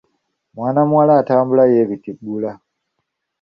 Mwana muwala atambula yeebitiggula.